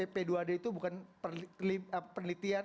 p dua d itu bukan penelitian